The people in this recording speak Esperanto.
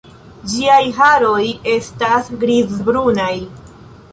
Ĝiaj haroj estas grizbrunaj.